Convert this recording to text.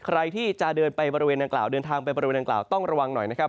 ใครที่จะเดินทางไปบริเวณอังกล่าวต้องระวังหน่อยนะครับ